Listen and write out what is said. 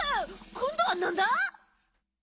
こんどはなんだ？